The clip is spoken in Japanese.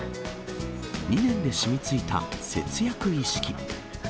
２年でしみついた節約意識。